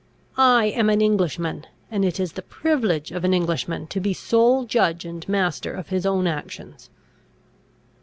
I am an Englishman, and it is the privilege of an Englishman to be sole judge and master of his own actions."